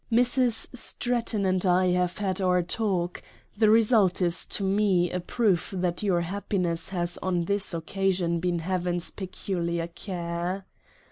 Mrs. Stratton and I have had our Talk : the result is to Me a Proof that your Happiness has on this occasion been Heaven's peculiar Care.